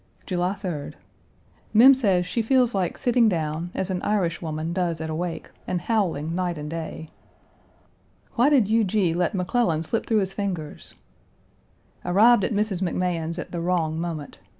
July 3d. Mem says she feels like sitting down, as an Irishwoman does at a wake, and howling night and day. Why did Huger let McClellan slip through his fingers? Arrived at Mrs. McMahan's at the wrong moment. Mrs.